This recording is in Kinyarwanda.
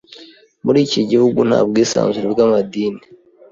Muri iki gihugu nta bwisanzure bw’amadini.